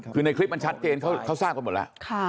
คือในคลิปมันชัดเจนเขาทราบกันหมดแล้ว